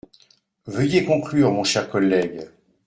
Veuillez conclure, mon cher collègue.